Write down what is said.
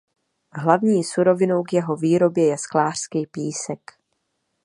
Hlavní surovinou k jeho výrobě je sklářský písek.